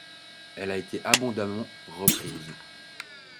Elle a été abondamment reprise.